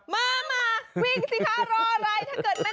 มาวิ่งสิคะรออะไร